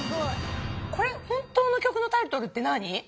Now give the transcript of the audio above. これ本当の曲のタイトルって何？